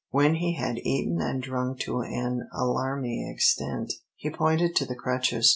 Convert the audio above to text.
When he had eaten and drunk to an alarming extent, he pointed to the crutches.